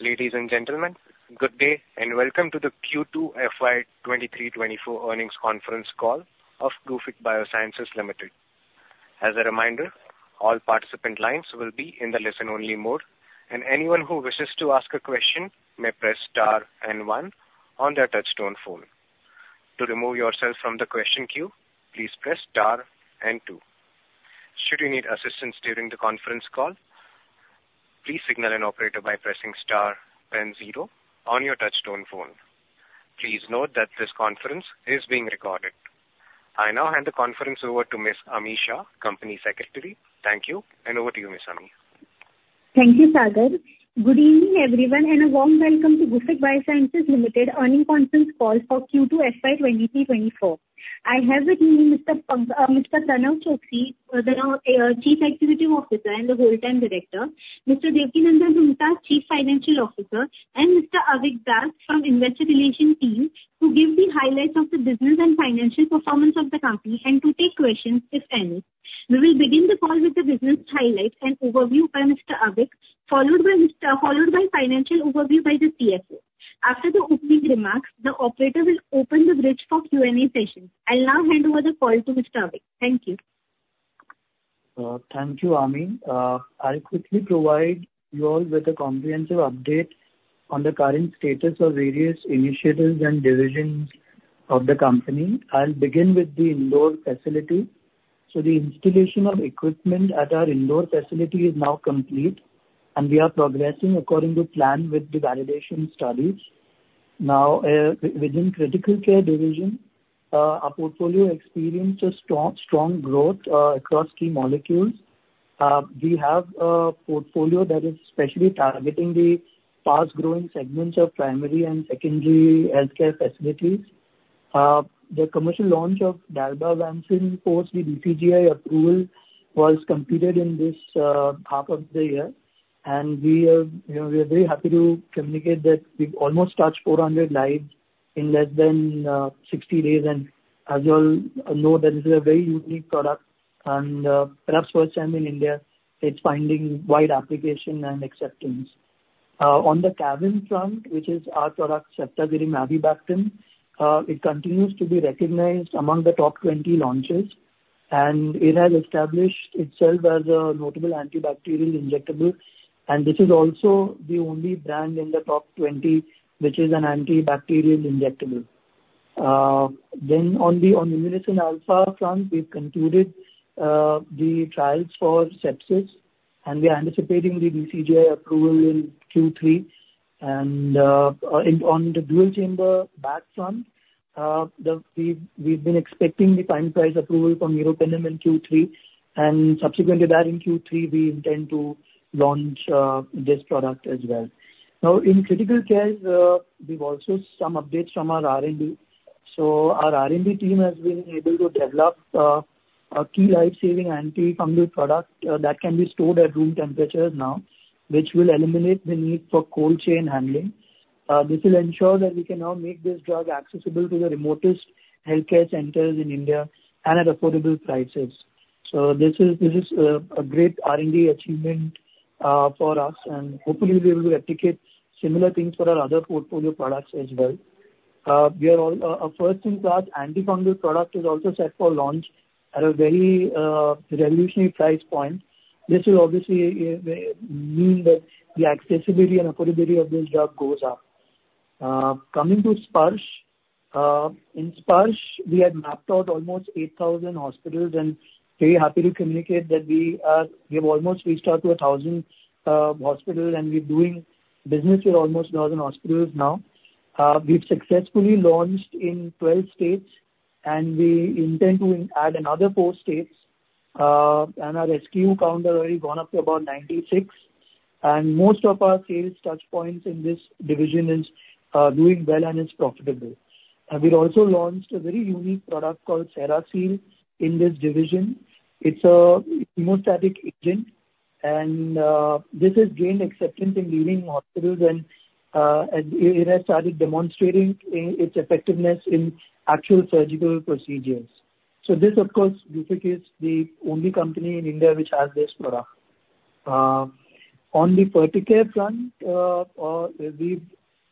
Ladies and gentlemen, good day, and welcome to the Q2 FY 2023-2024 Earnings Conference Call of Gufic Biosciences Limited. As a reminder, all participant lines will be in the listen-only mode, and anyone who wishes to ask a question may press star and one on their touchtone phone. To remove yourself from the question queue, please press star and two. Should you need assistance during the conference call, please signal an operator by pressing star and zero on your touchtone phone. Please note that this conference is being recorded. I now hand the conference over to Ms. Ami Shah, Company Secretary. Thank you, and over to you, Ms. Ami. Thank you, Sagar. Good evening, everyone, and a warm welcome to Gufic Biosciences Limited Earnings Conference Call for Q2 FY 2023-2024. I have with me Mr. Pranav Choksi, the Chief Executive Officer and Whole Time Director, Mr. Devkinandan Roonghta, Chief Financial Officer, and Mr. Avik Das from Investor Relations team, to give the highlights of the business and financial performance of the company, and to take questions, if any. We will begin the call with the business highlights and overview by Mr. Avik, followed by financial overview by the CFO. After the opening remarks, the operator will open the bridge for Q&A session. I'll now hand over the call to Mr. Avik. Thank you. Thank you, Ami. I'll quickly provide you all with a comprehensive update on the current status of various initiatives and divisions of the company. I'll begin with the Indore facility. The installation of equipment at our Indore facility is now complete, and we are progressing according to plan with the validation studies. Now, within Critical Care division, our portfolio experienced a strong, strong growth across key molecules. We have a portfolio that is specially targeting the fast-growing segments of primary and secondary healthcare facilities. The commercial launch of dalbavancin post the DCGI approval was completed in this half of the year, and we are, you know, we are very happy to communicate that we've almost touched 400 lives in less than 60 days. As you all know, that is a very unique product and, perhaps first time in India, it's finding wide application and acceptance. On the Cavim front, which is our product, cefepime-avibactam, it continues to be recognized among the top 20 launches, and it has established itself as a notable antibacterial injectable. And this is also the only brand in the top 20, which is an antibacterial injectable. Then on the Thymosin Alpha-1 front, we've concluded the trials for sepsis, and we are anticipating the DCGI approval in Q3. And on the dual chamber bag front, we've been expecting the NPPA price approval in Q3, and subsequently that in Q3, we intend to launch this product as well. Now, in critical care, we've also some updates from our R&D. So our R&D team has been able to develop a key life-saving antifungal product that can be stored at room temperatures now, which will eliminate the need for cold chain handling. This will ensure that we can now make this drug accessible to the remotest healthcare centers in India and at affordable prices. So this is, this is, a great R&D achievement for us, and hopefully we'll be able to replicate similar things for our other portfolio products as well. Our first-in-class antifungal product is also set for launch at a very revolutionary price point. This will obviously mean that the accessibility and affordability of this drug goes up. Coming to Sparsh. In Sparsh, we had mapped out almost 8,000 hospitals, and very happy to communicate that we are... We have almost reached out to 1,000 hospitals, and we're doing business with almost 1,000 hospitals now. We've successfully launched in 12 states, and we intend to add another four states. And our SKU count has already gone up to about 96, and most of our sales touchpoints in this division is doing well and is profitable. And we've also launched a very unique product called SeraSeal in this division. It's a hemostatic agent, and this has gained acceptance in leading hospitals, and it has started demonstrating its effectiveness in actual surgical procedures. So this, of course, Gufic is the only company in India which has this product. On the FertiCare front, we've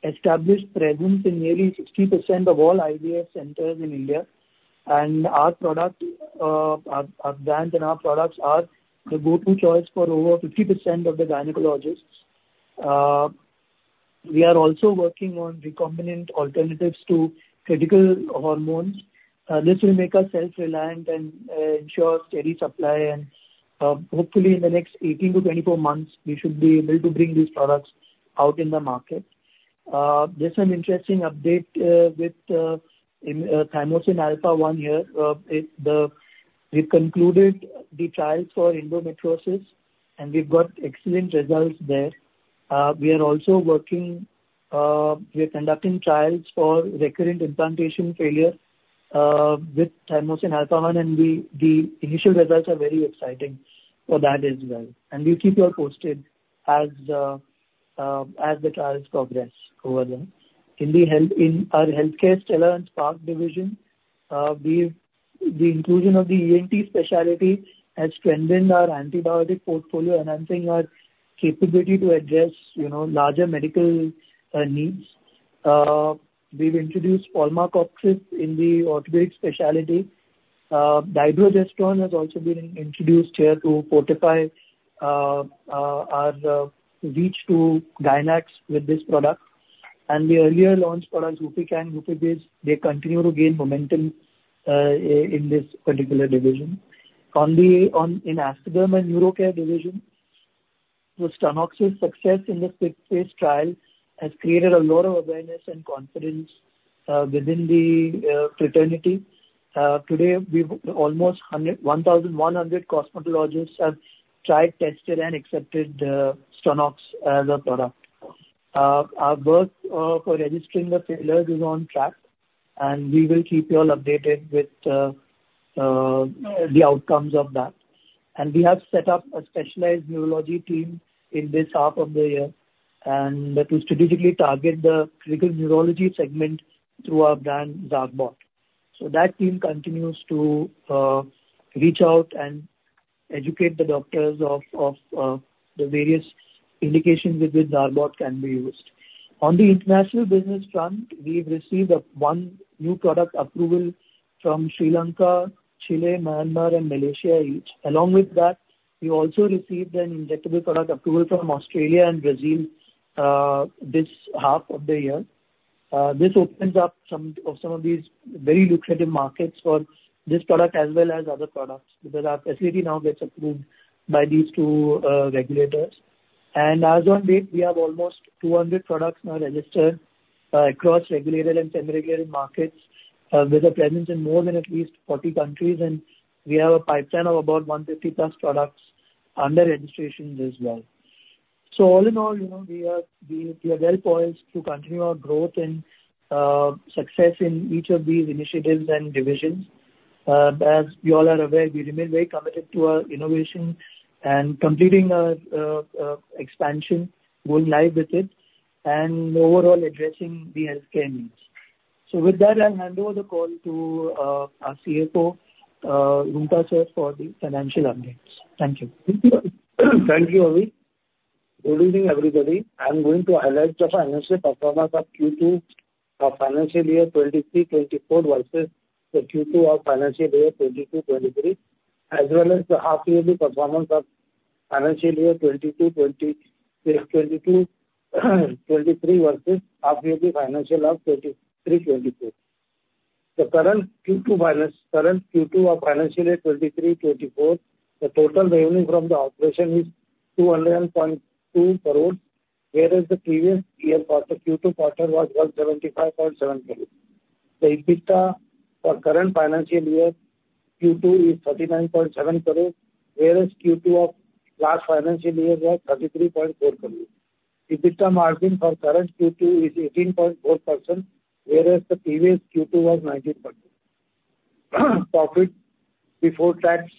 established presence in nearly 60% of all IVF centers in India, and our product, our brands and our products are the go-to choice for over 50% of the gynecologists. We are also working on recombinant alternatives to critical hormones. This will make us self-reliant and ensure steady supply. And hopefully in the next 18-24 months, we should be able to bring these products out in the market. There's an interesting update with in Thymosin Alpha-1 here. We've concluded the trials for endometriosis, and we've got excellent results there. We are also working, we are conducting trials for recurrent implantation failure with Thymosin Alpha-1, and the initial results are very exciting for that as well. And we'll keep you all posted as the trials progress over there. In our Healthcare Stella and Spark division, the inclusion of the ENT specialty has strengthened our antibiotic portfolio, enhancing our capability to address, you know, larger medical needs. We've introduced polmacoxib in the orthopedic specialty. Dydrogesterone has also been introduced here to fortify our reach to Gynacs with this product. And the earlier launched products, Rupican, Rupigase, they continue to gain momentum in this particular division. In Aesthaderm and Neurocare division, the Stunnox's success in the third phase trial has created a lot of awareness and confidence within the fraternity. Today, we've almost 1,100 cosmetologists have tried, tested, and accepted Stunnox as a product. Our work for registering the filler is on track, and we will keep you all updated with the outcomes of that. We have set up a specialized neurology team in this half of the year, and that will strategically target the critical neurology segment through our brand, Zarbot. So that team continues to reach out and educate the doctors of the various indications with which Zarbot can be used. On the International Business front, we've received one new product approval from Sri Lanka, Chile, Myanmar and Malaysia each. Along with that, we also received an injectable product approval from Australia and Brazil this half of the year. This opens up some of these very lucrative markets for this product as well as other products, because our facility now gets approved by these two regulators. As on date, we have almost 200 products now registered across regulated and semi-regulated markets with a presence in more than at least 40 countries, and we have a pipeline of about 150+ products under registration as well. So all in all, you know, we are well poised to continue our growth and success in each of these initiatives and divisions. As you all are aware, we remain very committed to our innovation and completing our expansion going live with it and overall addressing the healthcare needs. So with that, I'll hand over the call to our CFO, Devkinandan Roonghta, for the financial updates. Thank you. Thank you, Avik. Good evening, everybody. I'm going to highlight the financial performance of Q2 of financial year 2023-2024 versus the Q2 of financial year 2022-2023, as well as the half yearly performance of financial year 2022-2023 versus half yearly financial of 2023-2024. The current Q2 finance, current Q2 of financial year 2023-2024, the total revenue from the operation is 200.2 crores, whereas the previous year quarter, Q2 quarter, was 175.7 crores. The EBITDA for current financial year, Q2, is 39.7 crores, whereas Q2 of last financial year was 33.4 crores. EBITDA margin for current Q2 is 18.4%, whereas the previous Q2 was 19%. Profit before tax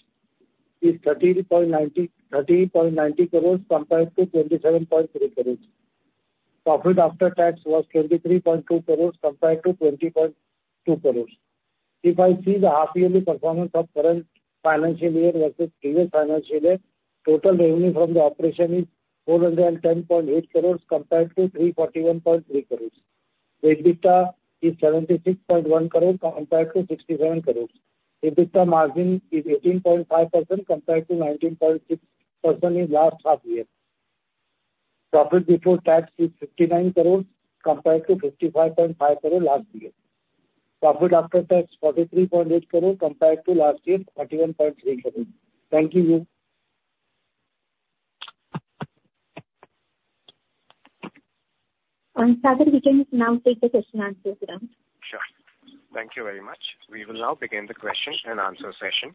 is 13.90 crores compared to 27.3 crores. Profit after tax was 23.2 crores, compared to 20.2 crores. If I see the half yearly performance of current financial year versus previous financial year, total revenue from the operation is 410.8 crores compared to 341.3 crores. The EBITDA is 76.1 crores compared to 67 crores. EBITDA margin is 18.5% compared to 19.6% in last half year. Profit before tax is 59 crores compared to 55.5 crores last year. Profit after tax, 43.8 crores compared to last year, 31.3 crores. Thank you. Sagar, we can now take the question and answer round. Sure. Thank you very much. We will now begin the question-and-answer session.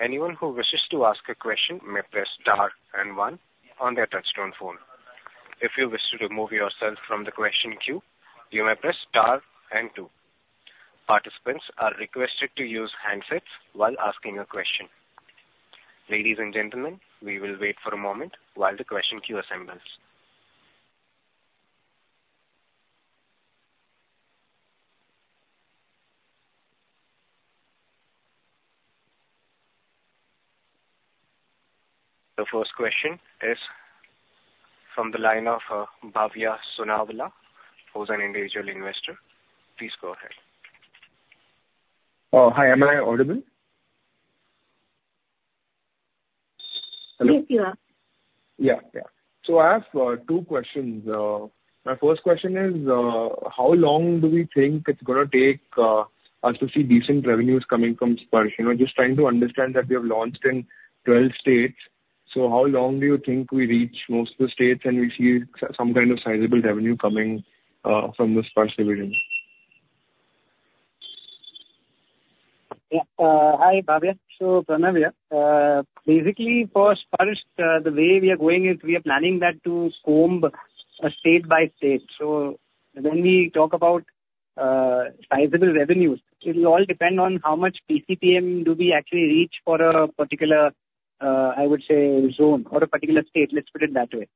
Anyone who wishes to ask a question may press star and one on their touchtone phone. If you wish to remove yourself from the question queue, you may press star and two. Participants are requested to use handsets while asking a question. Ladies and gentlemen, we will wait for a moment while the question queue assembles. The first question is from the line of Bhavya Sonawala, who's an individual investor. Please go ahead. Hi. Am I audible? Hello. Yes, you are. Yeah. Yeah. So I have two questions. My first question is, how long do we think it's gonna take us to see decent revenues coming from Sparsh? You know, just trying to understand that we have launched in 12 states, so how long do you think we reach most of the states and we see some kind of sizable revenue coming from the Sparsh division? Yeah. Hi, Bhavya. So, Bhavya, basically for Sparsh, the way we are going is we are planning that to come state by state. So when we talk about sizable revenues, it will all depend on how much PCPM do we actually reach for a particular, I would say, zone or a particular state, let's put it that way.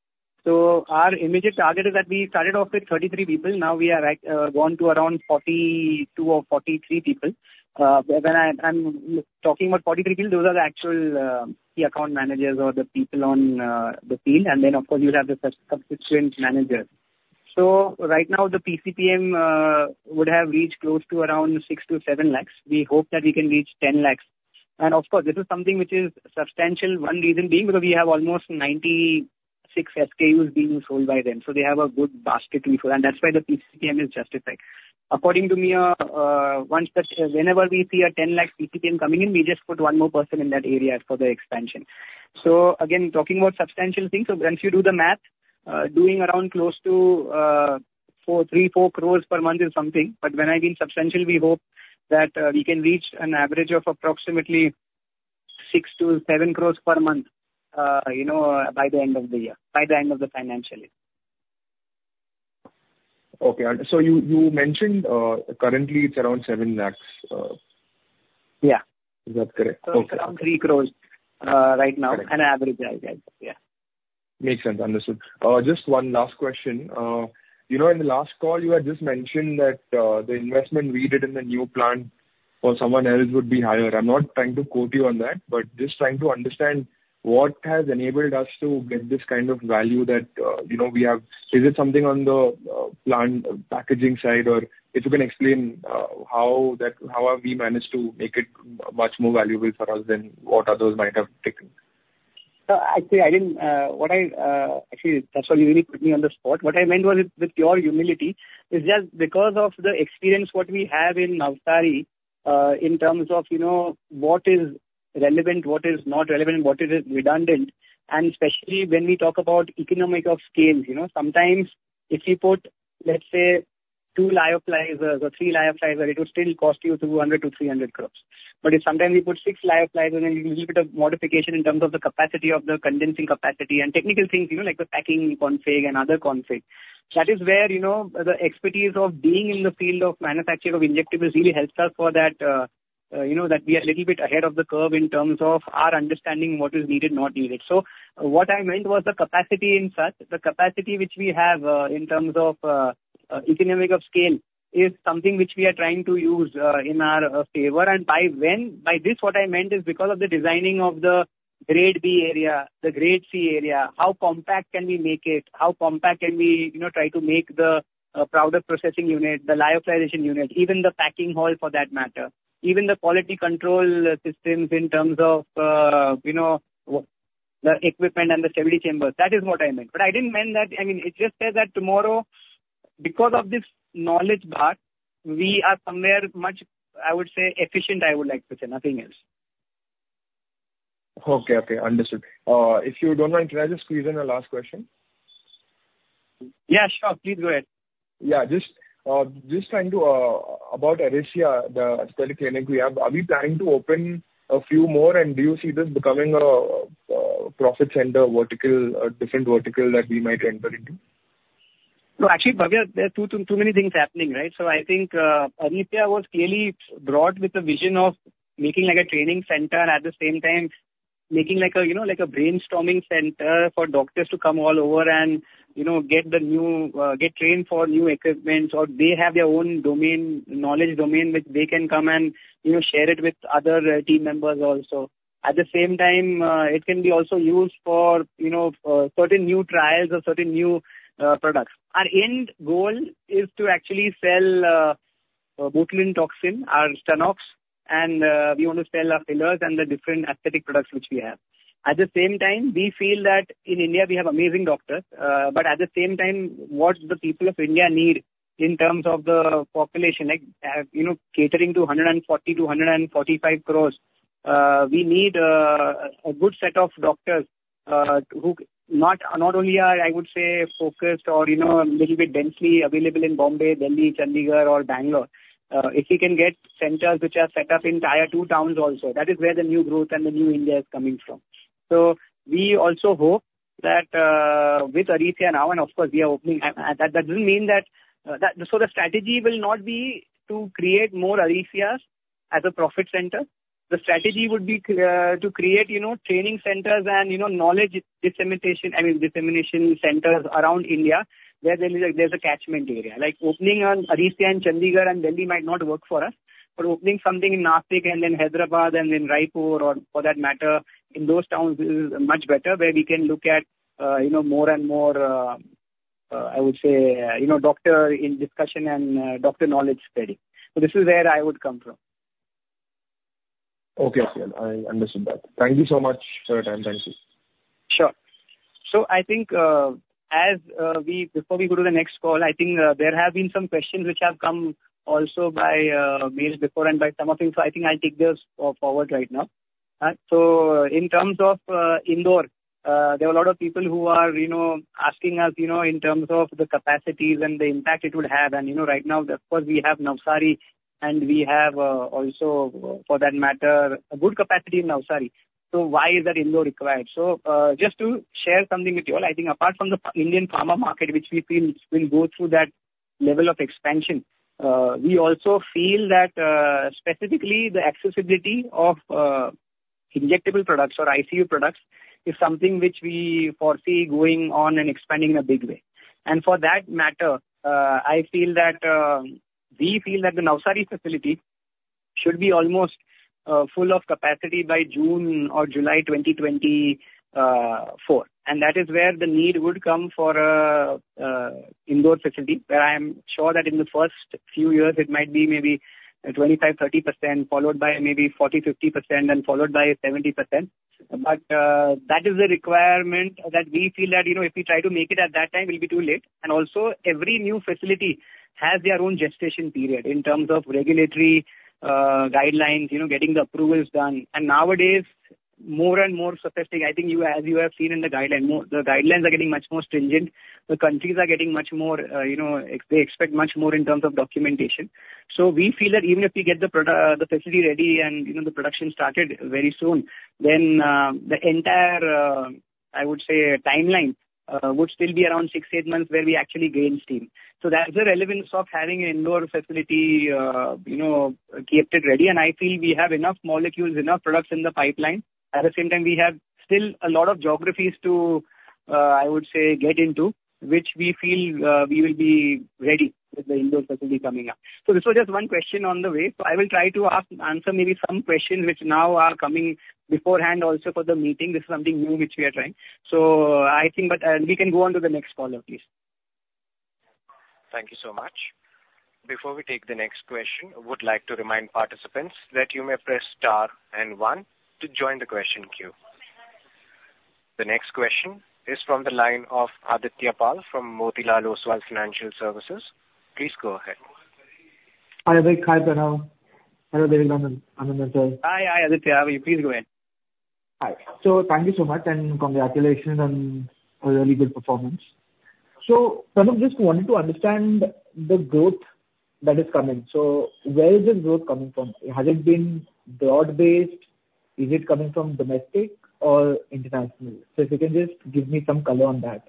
So our immediate target is that we started off with 33 people, now we are at, gone to around 42 or 43 people. When I'm talking about 43 people, those are the actual, the account managers or the people on, the field, and then, of course, you have the subsequent managers. So right now, the PCPM would have reached close to around 6 lakh-7 lakh. We hope that we can reach 10 lakh. And of course, this is something which is substantial. One reason being, because we have almost 96 SKUs being sold by them, so they have a good basket to fill, and that's why the PCPM is justified. According to me, one such, whenever we see a 10 lakh PCPM coming in, we just put one more person in that area for the expansion. So again, talking about substantial things, so once you do the math, doing around close to 434 crores per month is something. But when I mean substantial, we hope that we can reach an average of approximately 6 crores-7 crores per month, you know, by the end of the year, by the end of the financial year. Okay. And so you mentioned, currently it's around 7 lakhs. Yeah. Is that correct? Okay. Around 3 crore, right now. Correct. An average, I'll say. Yeah. Makes sense. Understood. Just one last question. You know, in the last call, you had just mentioned that the investment we did in the new plant for someone else would be higher. I'm not trying to quote you on that, but just trying to understand what has enabled us to get this kind of value that, you know, we have... Is it something on the plant packaging side? Or if you can explain how have we managed to make it much more valuable for us than what others might have taken? Actually, I didn't, what I, actually, Bhavya, you really put me on the spot. What I meant was with, with pure humility, is just because of the experience what we have in Navsari, in terms of, you know, what is relevant, what is not relevant, what is redundant, and especially when we talk about economies of scale. You know, sometimes if you put, let's say, two lyophilizers or three lyophilizer, it will still cost you 200 crore-300 crore. But if sometimes you put six lyophilizer and a little bit of modification in terms of the capacity of the condensing capacity and technical things, you know, like the packing config and other config, that is where, you know, the expertise of being in the field of manufacturing of injectables really helps us for that, you know, that we are a little bit ahead of the curve in terms of our understanding what is needed, not needed. So what I meant was the capacity in such, the capacity which we have, in terms of, economies of scale, is something which we are trying to use, in our favor. And by when, by this, what I meant is because of the designing of the Grade B area, the Grade C area, how compact can we make it? How compact can we, you know, try to make the powder processing unit, the lyophilization unit, even the packing hall, for that matter. Even the quality control systems in terms of, you know, the equipment and the stability chambers. That is what I meant, but I didn't mean that... I mean, it's just says that tomorrow, because of this knowledge gap, we are somewhere much, I would say, efficient, I would like to say, nothing else. Okay, okay. Understood. If you don't mind, can I just squeeze in a last question? Yeah, sure. Please go ahead. Yeah, just trying to about Arisia, the aesthetic clinic we have, are we planning to open a few more, and do you see this becoming a profit center vertical, a different vertical that we might enter into? No, actually, Bhavya, there are too, too many things happening, right? So I think, Arisia was clearly brought with the vision of making like a training center, at the same time, making like a, you know, like a brainstorming center for doctors to come all over and, you know, get the new, get trained for new equipments, or they have their own domain, knowledge domain, which they can come and, you know, share it with other, team members also. At the same time, it can be also used for, you know, certain new trials or certain new, products. Our end goal is to actually sell, botulinum toxin, our Stunnox, and, we want to sell our fillers and the different aesthetic products which we have. At the same time, we feel that in India, we have amazing doctors, but at the same time, what the people of India need in terms of the population, like, you know, catering to 140 crores-145 crores, we need a good set of doctors, who not only are, I would say, focused or, you know, a little bit densely available in Mumbai, Delhi, Chandigarh, or Bangalore. If we can get centers which are set up in Tier 2 towns also, that is where the new growth and the new India is coming from. So we also hope that, with Arisia now, and of course, we are opening... That doesn't mean that-- So the strategy will not be to create more Arisias as a profit center. The strategy would be, to create, you know, training centers and, you know, knowledge dissemination, I mean, dissemination centers around India, where there is a, there's a catchment area. Like, opening an Arisia in Chandigarh and Delhi might not work for us, but opening something in Nashik and in Hyderabad and in Raipur, or for that matter, in those towns is much better, where we can look at, you know, more and more, I would say, you know, doctor in discussion and, doctor knowledge study. So this is where I would come from. Okay. I understand that. Thank you so much for your time. Thank you. Sure. So I think, as we before we go to the next call, I think, there have been some questions which have come also by mail before and by some of them. So I think I'll take this forward right now. So in terms of Indore, there are a lot of people who are, you know, asking us, you know, in terms of the capacities and the impact it would have. And, you know, right now, of course, we have Navsari, and we have, also, for that matter, a good capacity in Navsari. So why is that Indore required? So, just to share something with you all, I think apart from the Indian pharma market, which we feel will go through that level of expansion, we also feel that, specifically the accessibility of... Injectable products or ICU products is something which we foresee going on and expanding in a big way. And for that matter, I feel that, we feel that the Navsari facility should be almost, full of capacity by June or July 2024. And that is where the need would come for a, Indore facility, where I am sure that in the first few years it might be maybe 25%-30%, followed by maybe 40%-50%, and followed by 70%. But, that is a requirement that we feel that, you know, if we try to make it at that time, it will be too late. And also every new facility has their own gestation period in terms of regulatory, guidelines, you know, getting the approvals done. Nowadays, more and more suggesting, I think you—as you have seen in the guideline, more—the guidelines are getting much more stringent. The countries are getting much more, you know, they expect much more in terms of documentation. So we feel that even if we get the facility ready and, you know, the production started very soon, then, the entire, I would say, timeline, would still be around six to eight months where we actually gain steam. So that's the relevance of having an Indore facility, you know, kept it ready. And I feel we have enough molecules, enough products in the pipeline. At the same time, we have still a lot of geographies to, I would say, get into, which we feel, we will be ready with the Indore facility coming up. So this was just one question on the way. So I will try to ask-answer maybe some questions which now are coming beforehand also for the meeting. This is something new which we are trying. So I think... But, we can go on to the next caller, please. Thank you so much. Before we take the next question, I would like to remind participants that you may press star and one to join the question queue. The next question is from the line of Adityapal from Motilal Oswal Financial Services. Please go ahead. Hi, Avik. Hi, Pranav. Hello, everyone. I'm Aditya. Hi, hi, Aditya. How are you? Please go ahead. Hi. Thank you so much and congratulations on a really good performance. Pranav, just wanted to understand the growth that is coming. Where is the growth coming from? Has it been broad-based? Is it coming from domestic or international? If you can just give me some color on that.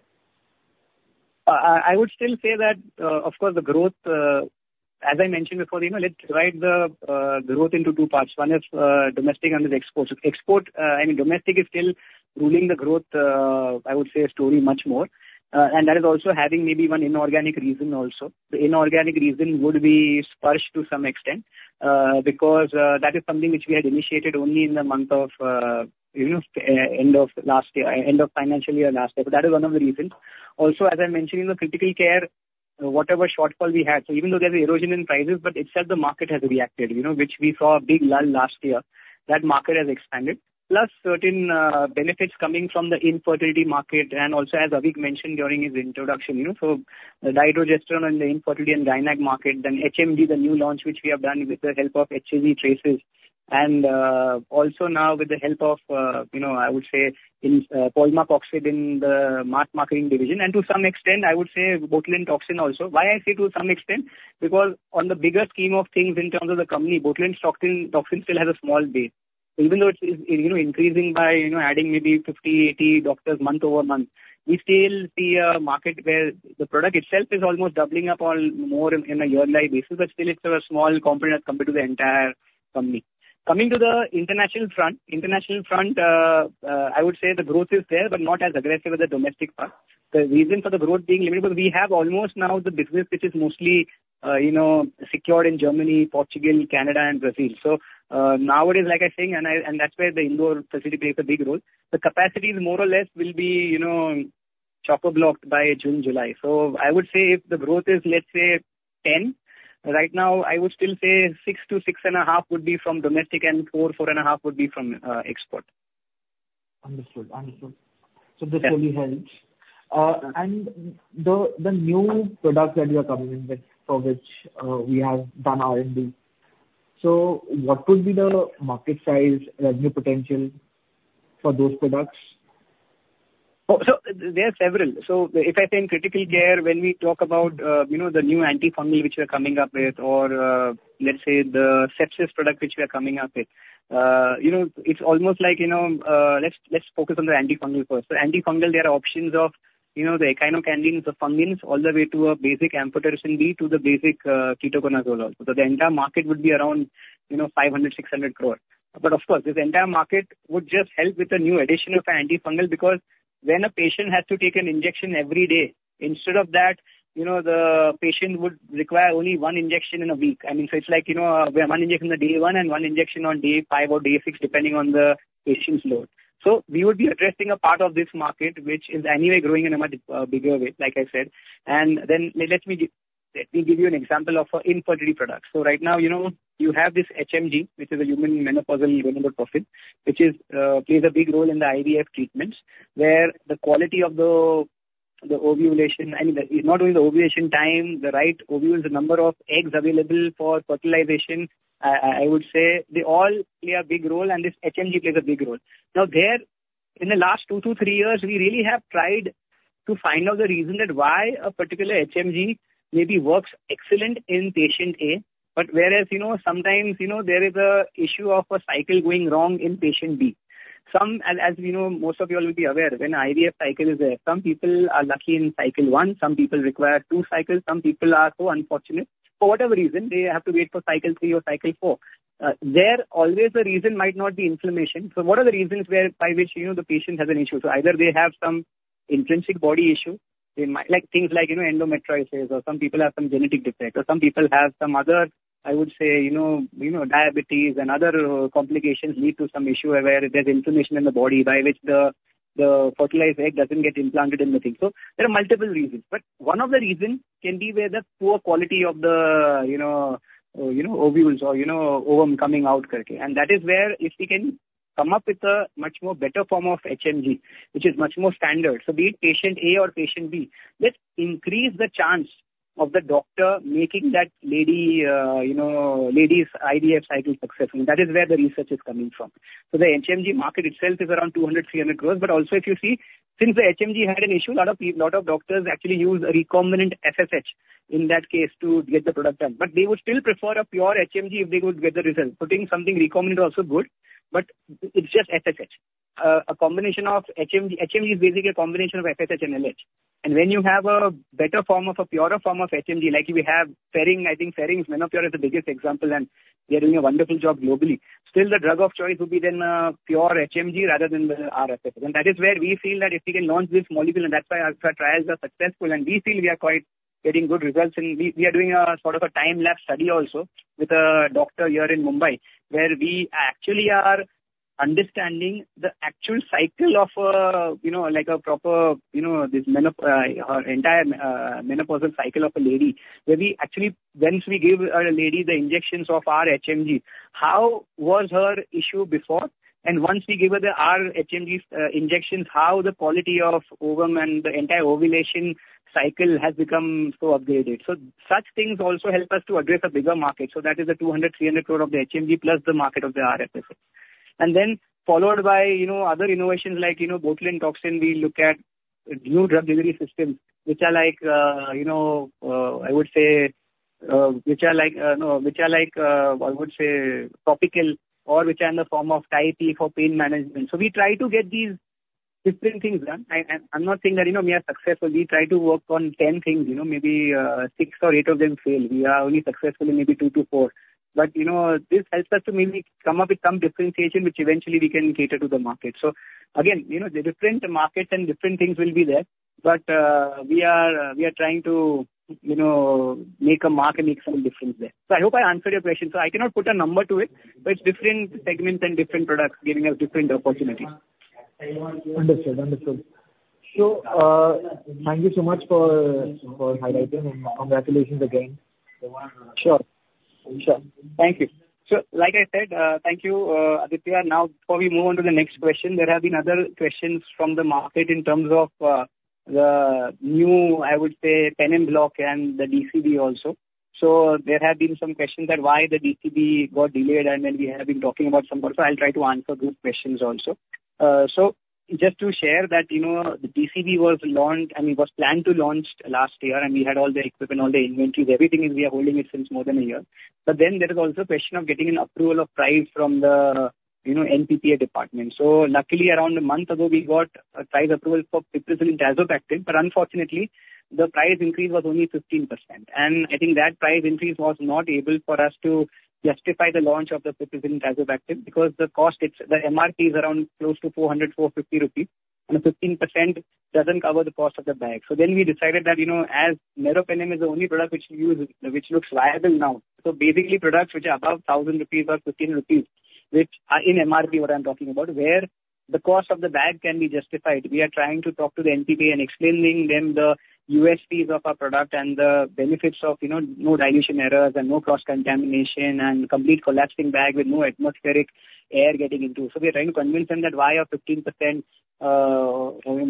I would still say that, of course, the growth, as I mentioned before, you know, let's divide the growth into two parts. One is domestic and export. So export, I mean, domestic is still ruling the growth, I would say, story much more. And that is also having maybe one inorganic reason also. The inorganic reason would be Sparsh to some extent, because that is something which we had initiated only in the month of, you know, end of last year, end of financial year, last year. But that is one of the reasons. Also, as I mentioned, in the critical care, whatever shortfall we had, so even though there's an erosion in prices, but itself the market has reacted, you know, which we saw a big lull last year, that market has expanded. Plus, certain benefits coming from the infertility market, and also as Avik mentioned during his introduction, you know, so the dydrogesterone and the infertility and Gynac market, then HMG, the new launch, which we have done with the help of hCG traces, and also now with the help of, you know, I would say in polmacoxib in the Mass Marketing division, and to some extent, I would say botulinum toxin also. Why I say to some extent? Because on the bigger scheme of things in terms of the company, botulinum toxin, toxin still has a small base. Even though it is, you know, increasing by, you know, adding maybe 50, 80 doctors month-over-month, we still see a market where the product itself is almost doubling up on more in a yearly basis, but still it's a small component compared to the entire company. Coming to the international front. International front, I would say the growth is there, but not as aggressive as the domestic part. The reason for the growth being limited, because we have almost now the business which is mostly, you know, secured in Germany, Portugal, Canada, and Brazil. So, nowadays, like I think, that's where the Indore facility plays a big role. The capacity more or less will be, you know, chock-a-blocked by June, July. So I would say if the growth is, let's say, 10, right now, I would still say 6-6.5 would be from domestic and 4-4.5 would be from export. Understood, understood. So this really helps. And the new products that you are coming in with, for which we have done R&D. So what would be the market size, new potential for those products? Oh, so there are several. So if I say in critical care, when we talk about, you know, the new antifungal which we are coming up with, or, let's say the sepsis product which we are coming up with, you know, it's almost like, you know, let's focus on the antifungal first. So antifungal, there are options of, you know, the Echinocandins, the fungins, all the way to a basic amphotericin B to the basic, ketoconazole. So the entire market would be around, you know, 500 crore-600 crore. But of course, this entire market would just help with the new addition of antifungal, because when a patient has to take an injection every day, instead of that, you know, the patient would require only one injection in a week. I mean, so it's like, you know, one injection on day one and one injection on day five or day six, depending on the patient's load. So we would be addressing a part of this market, which is anyway growing in a much bigger way, like I said. And then let me give you an example of a infertility product. So right now, you know, you have this HMG, which is a Human Menopausal Gonadotropin, which plays a big role in the IVF treatments, where the quality of the ovulation, I mean, not only the ovulation time, the right ovules, the number of eggs available for fertilization, I would say they all play a big role, and this HMG plays a big role. Now, in the last two to three years, we really have tried to find out the reason that why a particular HMG maybe works excellent in patient A, but whereas, you know, sometimes, you know, there is a issue of a cycle going wrong in patient B. And as we know, most of you all will be aware, when IVF cycle is there, some people are lucky in cycle 1, some people require 2 cycles, some people are so unfortunate, for whatever reason, they have to wait for cycle 3 or cycle 4. There always the reason might not be inflammation. So what are the reasons where, by which, you know, the patient has an issue? So either they have some intrinsic body issue, they might like things like, you know, endometriosis, or some people have some genetic defect, or some people have some other, I would say, you know, you know, diabetes and other complications lead to some issue where there's inflammation in the body, by which the fertilized egg doesn't get implanted in the thing. So there are multiple reasons. But one of the reasons can be where the poor quality of the, you know, you know, ovules or, you know, ovum coming out correctly. And that is where if we can come up with a much more better form of HMG, which is much more standard, so be it patient A or patient B, just increase the chance of the doctor making that lady, you know, lady's IVF cycle successful. That is where the research is coming from. So the HMG market itself is around 200 crores-300 crores. But also, if you see, since the HMG had an issue, a lot of doctors actually use a recombinant FSH in that case to get the product done. But they would still prefer a pure HMG if they could get the result. Putting something recombinant is also good, but it's just FSH. A combination of HMG... HMG is basically a combination of FSH and LH. And when you have a better form of a purer form of HMG, like we have Ferring, I think Ferring's Menopur is the biggest example, and they're doing a wonderful job globally. Still, the drug of choice would be then pure HMG rather than rFSH. That is where we feel that if we can launch this molecule, and that's why our trials are successful, and we feel we are quite getting good results, and we are doing a sort of a time-lapse study also with a doctor here in Mumbai, where we actually are understanding the actual cycle of, you know, like a proper, you know, this menopausal cycle of a lady. Where we actually, once we give a lady the injections of our HMG, how was her issue before? And once we give her the, our HMG injections, how the quality of ovum and the entire ovulation cycle has become so upgraded. So such things also help us to address a bigger market. So that is the 200 crore-300 crore of the HMG, plus the market of the rFSH. Then followed by, you know, other innovations like, you know, botulinum toxin, we look at new drug delivery systems, which are like, you know, I would say, topical or which are in the form of Tie-T for pain management. So we try to get these different things done. I'm not saying that, you know, we are successful. We try to work on 10 things, you know, maybe, six or eight of them fail. We are only successful in maybe two to four. But, you know, this helps us to maybe come up with some differentiation, which eventually we can cater to the market. So again, you know, the different markets and different things will be there, but, we are, we are trying to, you know, make a mark and make some difference there. So I hope I answered your question. So I cannot put a number to it, but it's different segments and different products giving us different opportunities. Understood. Understood. Thank you so much for, for highlighting and congratulations again. Sure. Sure. Thank you. So like I said, thank you, Aditya. Now, before we move on to the next question, there have been other questions from the market in terms of the new, I would say, Penem Block and the DCB also. So there have been some questions that why the DCB got delayed, and then we have been talking about some more, so I'll try to answer those questions also. So just to share that, you know, the DCB was launched, I mean, was planned to launch last year, and we had all the equipment, all the inventories, everything, and we are holding it since more than a year. But then there is also a question of getting an approval of price from the, you know, NPPA department. So luckily, around a month ago, we got a price approval for piperacillin-tazobactam, but unfortunately, the price increase was only 15%. And I think that price increase was not able for us to justify the launch of the piperacillin-tazobactam, because the cost, it's the MRP is around close to 400 rupees rupee-INR 450 rupee, and a 15% doesn't cover the cost of the bag. So then we decided that, you know, as meropenem is the only product which we use, which looks viable now, so basically products which are above 1,000 rupee or 15 rupee, which are in MRP, what I'm talking about, where the cost of the bag can be justified. We are trying to talk to the NPPA and explaining them the USPs of our product and the benefits of, you know, no dilution errors and no cross-contamination, and complete collapsing bag with no atmospheric air getting into. So we are trying to convince them that why a 15%,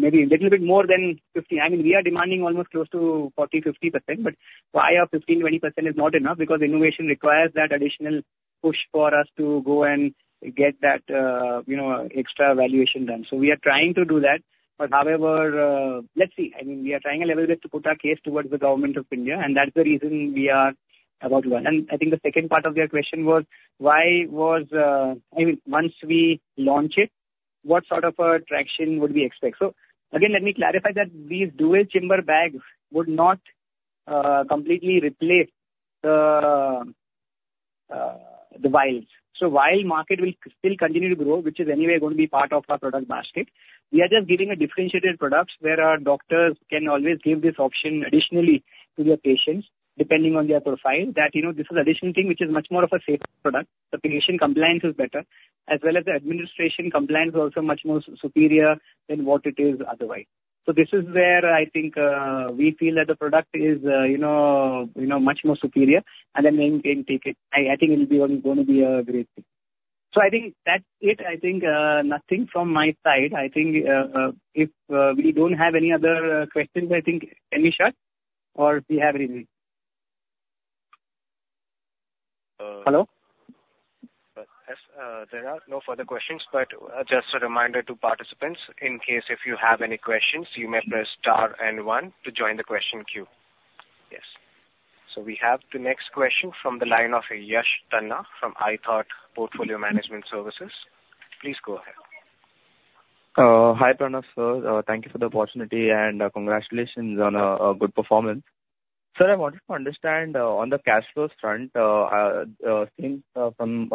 maybe a little bit more than 50%. I mean, we are demanding almost close to 40%-50%, but why a 15%-20% is not enough? Because innovation requires that additional push for us to go and get that, you know, extra valuation done. So we are trying to do that. But however, let's see. I mean, we are trying our level best to put our case towards the government of India, and that's the reason we are about to learn. And I think the second part of your question was, why was... I mean, once we launch it, what sort of a traction would we expect? So again, let me clarify that these dual chamber bags would not completely replace the, the vials. So vial market will still continue to grow, which is anyway going to be part of our product basket. We are just giving a differentiated products, where our doctors can always give this option additionally to their patients, depending on their profile, that, you know, this is additional thing, which is much more of a safe product. The patient compliance is better, as well as the administration compliance is also much more superior than what it is otherwise. So this is where I think we feel that the product is, you know, you know, much more superior, and then we can take it. I think it will be going to be a great thing. I think that's it. I think, nothing from my side. I think, if we don't have any other questions, I think, Ami Shah, or do you have anything? Hello? Yes, there are no further questions, but just a reminder to participants, in case if you have any questions, you may press star and one to join the question queue.... So we have the next question from the line of Yash Tanna from iThought Portfolio Management Services. Please go ahead. Hi, Pranav, sir. Thank you for the opportunity, and congratulations on a good performance. Sir, I wanted to understand on the cash flow front since from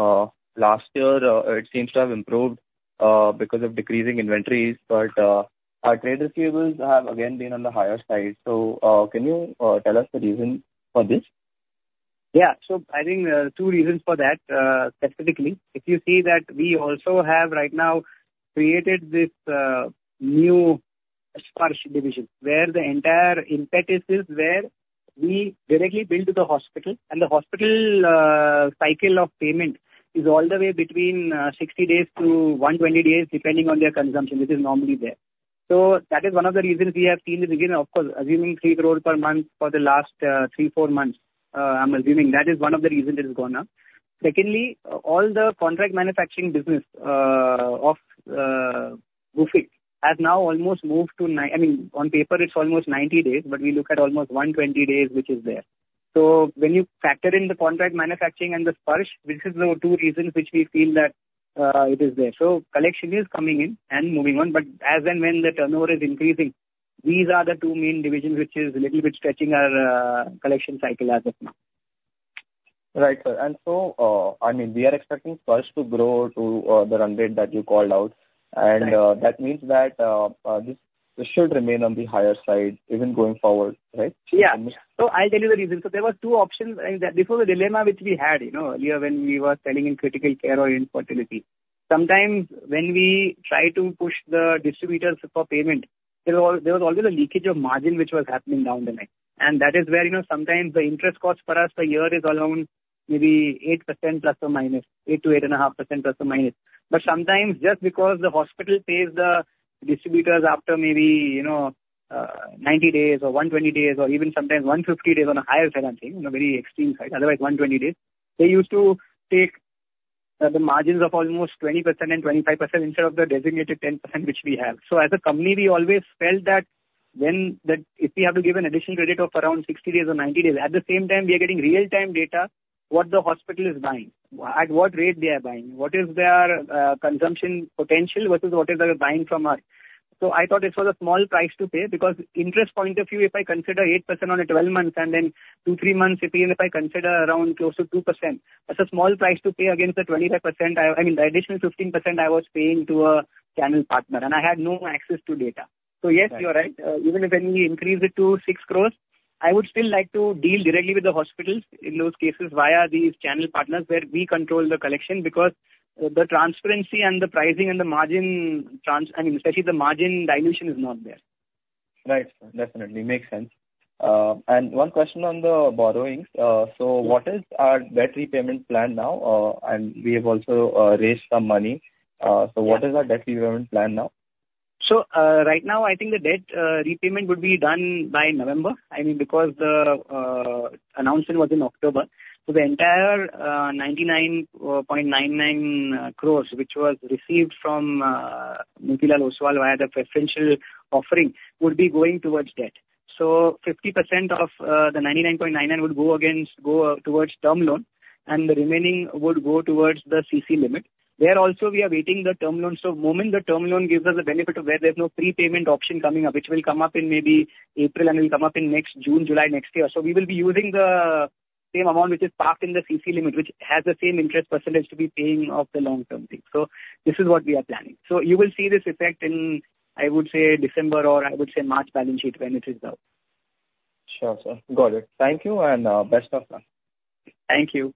last year it seems to have improved because of decreasing inventories, but our trade receivables have again been on the higher side. So, can you tell us the reason for this? Yeah. So I think, two reasons for that, specifically. If you see that we also have right now created this, new Sparsh division, where the entire impetus is where we directly bill to the hospital, and the hospital, cycle of payment is all the way between, 60-120 days, depending on their consumption, which is normally there. So that is one of the reasons we have seen this again, of course, assuming 3 crore per month for the last, three to four months. I'm assuming that is one of the reasons it has gone up. Secondly, all the contract manufacturing business, of, Gufic, has now almost moved to. I mean, on paper, it's almost 90 days, but we look at almost 120 days, which is there. So when you factor in the contract manufacturing and the Sparsh, this is the two reasons which we feel that it is there. So collection is coming in and moving on, but as and when the turnover is increasing, these are the two main divisions, which is a little bit stretching our collection cycle as of now. Right, sir. And so, I mean, we are expecting Sparsh to grow to the run rate that you called out. Right. That means that this should remain on the higher side, even going forward, right? Yeah. So I'll tell you the reason. So there were two options, and that this was a dilemma which we had, you know, earlier when we were selling in critical care or infertility. Sometimes when we try to push the distributors for payment, there—there was always a leakage of margin which was happening down the line. And that is where, you know, sometimes the interest cost for us per year is around maybe 8% plus or minus, 8%-8.5%±. But sometimes just because the hospital pays the distributors after maybe, you know, 90 days or 120 days, or even sometimes 150 days on a higher side, I think, in a very extreme side, otherwise 120 days, they used to take, the margins of almost 20% and 25% instead of the designated 10% which we have. So as a company, we always felt that when the... If we have to give an additional credit of around 60 days or 90 days, at the same time, we are getting real-time data, what the hospital is buying, at what rate they are buying, what is their, consumption potential versus what is their buying from us. So I thought this was a small price to pay, because interest point of view, if I consider 8% on a 12 months, and then two to three months, if I consider around close to 2%, that's a small price to pay against the 25% I... I mean, the additional 15% I was paying to a channel partner, and I had no access to data. So yes, you are right. Even if when we increase it to 6 crore, I would still like to deal directly with the hospitals in those cases via these channel partners, where we control the collection, because the transparency and the pricing and the margin trans- I mean, especially the margin dilution is not there. Right, sir. Definitely makes sense. And one question on the borrowings. So what is our debt repayment plan now? And we have also raised some money. So what is our debt repayment plan now? So, right now, I think the debt repayment would be done by November. I mean, because the announcement was in October. So the entire 99.99 crores, which was received from Motilal Oswal via the Preferential Offering, would be going towards debt. So 50% of the 99.99 crores would go against, go towards term loan, and the remaining would go towards the CC limit. There also, we are waiting the term loan. So moment the term loan gives us the benefit of where there's no prepayment option coming up, which will come up in maybe April, and will come up in next June, July next year. So we will be using the same amount which is parked in the CC limit, which has the same interest percentage to be paying off the long-term debt. So this is what we are planning. So you will see this effect in, I would say, December, or I would say March balance sheet when it is out. Sure, sir. Got it. Thank you, and best of luck. Thank you.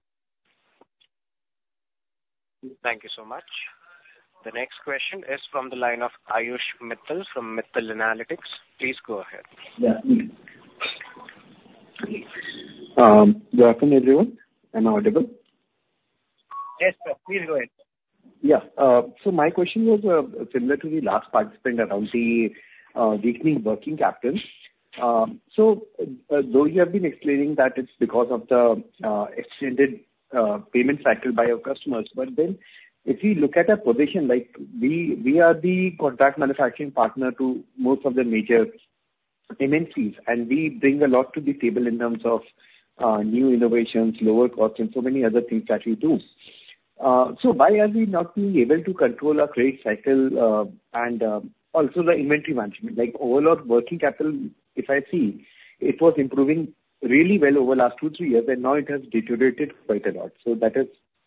Thank you so much. The next question is from the line of Ayush Mittal from Mittal Analytics. Please go ahead. Yeah. Good afternoon, everyone. Am I audible? Yes, sir, please go ahead. Yeah. So my question was similar to the last participant around the weakening working capital. So, though you have been explaining that it's because of the extended payment cycle by your customers, but then if you look at our position, like we are the contract manufacturing partner to most of the major MNCs, and we bring a lot to the table in terms of new innovations, lower costs, and so many other things that we do. So why are we not being able to control our trade cycle and also the inventory management? Like, overall working capital, if I see, it was improving really well over the last two, three years, and now it has deteriorated quite a lot. So that is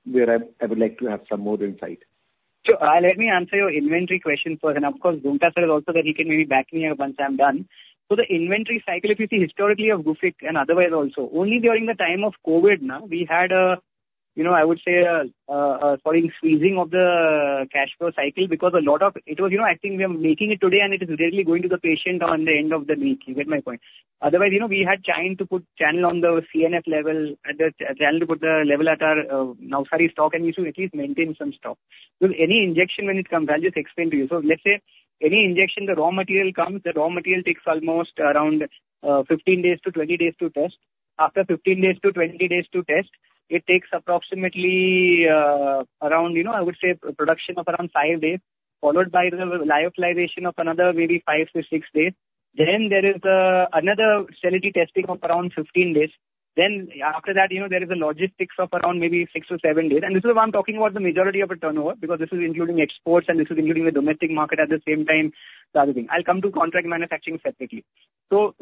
where I would like to have some more insight. So, let me answer your inventory question first, and of course, Roonghta sir is also there. He can maybe back me up once I'm done. So the inventory cycle, if you see historically of Gufic and otherwise also, only during the time of COVID, now, we had, you know, I would say, squeezing of the cash flow cycle because a lot of... It was, you know, I think we are making it today, and it is really going to the patient on the end of the week. You get my point? Otherwise, you know, we had trying to put channel on the C&F level, trying to put the level at our, now stock, and we should at least maintain some stock. So any injection when it comes, I'll just explain to you. So let's say any injection, the raw material comes, the raw material takes almost around 15-20 days to test. After 15-20 days to test, it takes approximately around, you know, I would say, production of around five days… followed by the lyophilization of another maybe five to six days. Then there is another sterility testing of around 15 days. Then after that, you know, there is a logistics of around maybe six or seven days, and this is why I'm talking about the majority of the turnover, because this is including exports and this is including the domestic market at the same time, the other thing. I'll come to contract manufacturing separately. So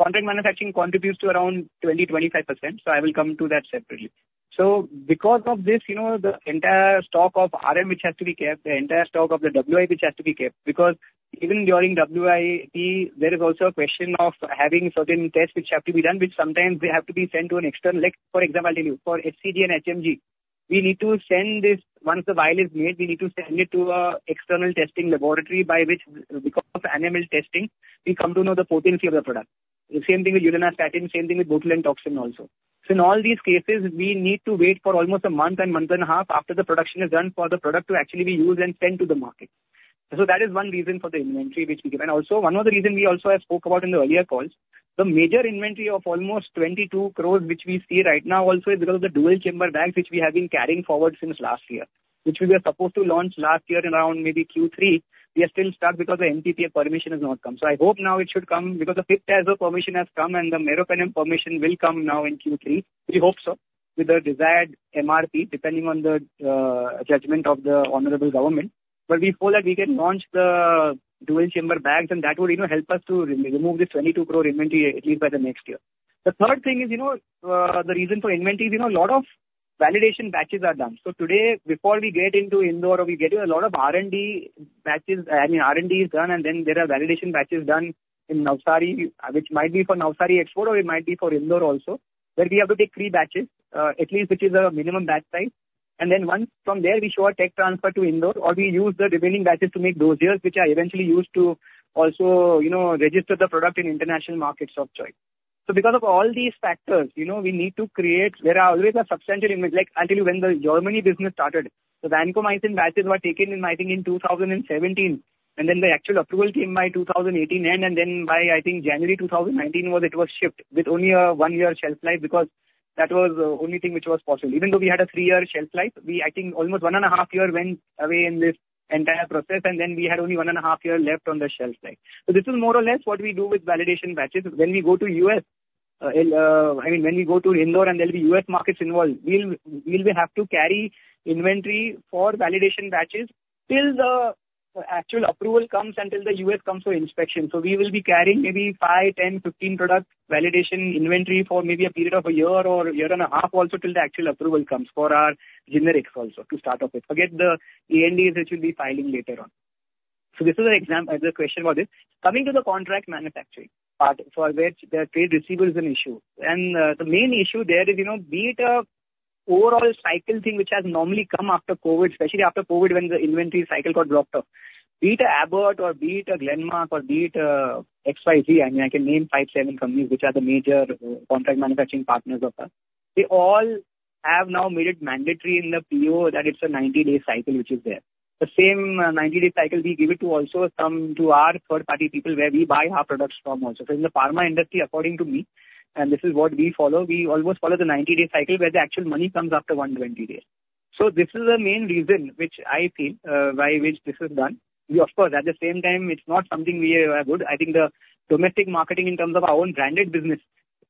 contract manufacturing contributes to around 20%-25%, so I will come to that separately. So because of this, you know, the entire stock of RM, which has to be kept, the entire stock of the WIP which has to be kept, because even during WIP, there is also a question of having certain tests which have to be done, which sometimes they have to be sent to an external lab. For example, I'll tell you, for hCG and HMG, we need to send this. Once the vial is made, we need to send it to an external testing laboratory, by which, because of animal testing, we come to know the potency of the product. The same thing with ulipristal, same thing with botulinum toxin also. So in all these cases, we need to wait for almost a month and month and a half after the production is done for the product to actually be used and sent to the market. So that is one reason for the inventory which we give. And also, one other reason we also have spoke about in the earlier calls, the major inventory of almost 22 crore, which we see right now also, is because of the dual chamber bags, which we have been carrying forward since last year, which we were supposed to launch last year in around maybe Q3. We are still stuck because the NPPA permission has not come. So I hope now it should come because the NPPA permission has come, and the meropenem permission will come now in Q3. We hope so, with the desired MRP, depending on the judgment of the honorable government. But before that, we can launch the dual chamber bags, and that would, you know, help us to re-remove this 22 crore inventory at least by the next year. The third thing is, you know, the reason for inventory, you know, a lot of validation batches are done. So today, before we get into Indore, we're getting a lot of R&D batches. I mean, R&D is done, and then there are validation batches done in Navsari, which might be for Navsari export or it might be for Indore also, where we have to take three batches, at least which is a minimum batch size. And then once from there, we show a tech transfer to Indore, or we use the remaining batches to make dossiers, which are eventually used to also, you know, register the product in international markets of choice. So because of all these factors, you know, we need to create... There is always a substantial inventory. Like, I'll tell you, when the Germany business started, the vancomycin batches were taken in, I think, in 2017, and then the actual approval came by 2018 end, and then by, I think, January 2019, it was shipped with only a one year shelf life, because that was the only thing which was possible. Even though we had a three-year shelf life, we, I think, almost one and a half-year went away in this entire process, and then we had only one and a half-year left on the shelf life. So this is more or less what we do with validation batches. When we go to U.S., I mean, when we go to Indore and there'll be U.S. markets involved, we'll have to carry inventory for validation batches till the actual approval comes and till the U.S. comes for inspection. So we will be carrying maybe five, 10, 15 product validation inventory for maybe a period of a year or a year and a half, also, till the actual approval comes for our generics also to start off with. Forget the ANDAs, which we'll be filing later on. So this is an answer to the question about this. Coming to the contract manufacturing part, for which the trade receivable is an issue. The main issue there is, you know, be it an overall cycle thing which has normally come after COVID, especially after COVID, when the inventory cycle got dropped off. Be it Abbott or be it Glenmark or be it XYZ, I mean, I can name five, seven companies which are the major contract manufacturing partners of us. They all have now made it mandatory in the PO that it's a 90-day cycle which is there. The same 90-day cycle we give it to also some, to our third-party people, where we buy our products from also. So in the pharma industry, according to me, and this is what we follow, we almost follow the 90-day cycle, where the actual money comes after 120 days. So this is the main reason which I feel why, which this is done. We of course, at the same time, it's not something we would... I think the domestic marketing in terms of our own branded business,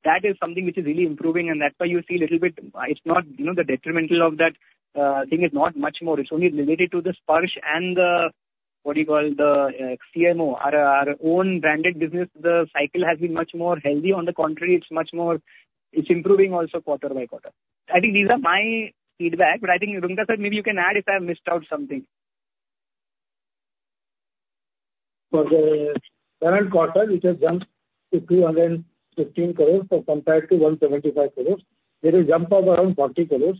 that is something which is really improving, and that's why you see little bit, it's not, you know, the detrimental of that, thing is not much more. It's only related to the Sparsh and the, what do you call, the, CMO, our, our own branded business. The cycle has been much more healthy. On the contrary, it's much more, it's improving also quarter by quarter. I think these are my feedback, but I think Roonghta Sir, maybe you can add if I have missed out something. For the current quarter, which has jumped to 315 crores, so compared to 175 crores, there is a jump of around 40 crores.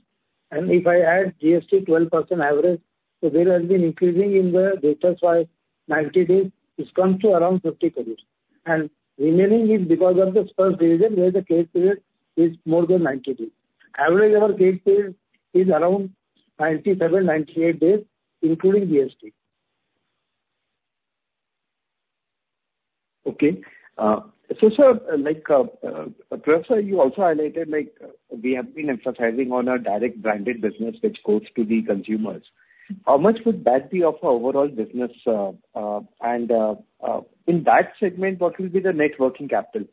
If I add GST, 12% average, so there has been increasing in the debtors by 90 days, it's come to around 50 crores. The remaining is because of the first reason, where the credit period is more than 90 days. Average, our credit period is around 97, 98 days, including GST. Okay. So, sir, like, earlier, sir, you also highlighted, like, we have been emphasizing on our direct branded business which goes to the consumers. How much would that be of our overall business? And, in that segment, what will be the net working capital?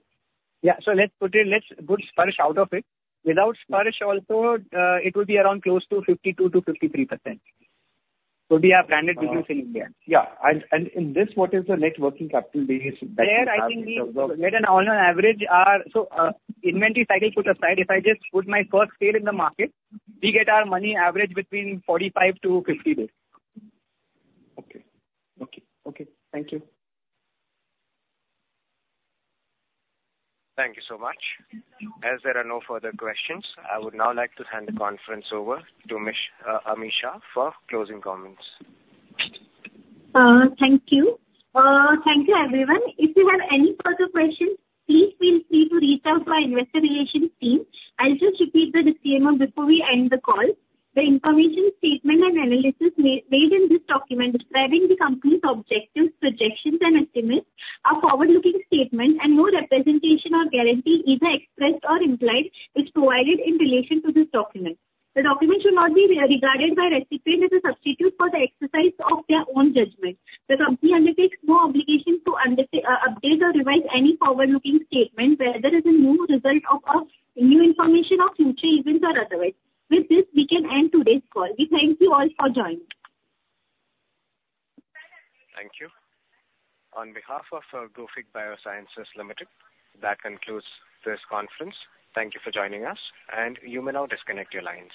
Yeah. So let's put it, let's put Sparsh out of it. Without Sparsh also, it will be around close to 52%-53%, will be our branded business in India. Yeah, and in this, what is the net working capital days that you have in terms of? I think we get on average our inventory cycle put aside. So, if I just put my first sale in the market, we get our money average between 45-50 days. Okay. Okay, okay. Thank you. Thank you so much. As there are no further questions, I would now like to hand the conference over to Ami Shah for closing comments. Thank you, everyone. If you have any further questions, please feel free to reach out to our investor relations team. I'll just repeat the disclaimer before we end the call. The information, statement, and analysis made in this document describing the company's objectives, projections, and estimates are forward-looking statements, and no representation or guarantee, either expressed or implied, is provided in relation to this document. The document should not be regarded by recipients as a substitute for the exercise of their own judgment. The company undertakes no obligation to update or revise any forward-looking statements as a result of new information or future events or otherwise. With this, we can end today's call. We thank you all for joining. Thank you. On behalf of Gufic Biosciences Limited, that concludes this conference. Thank you for joining us, and you may now disconnect your lines.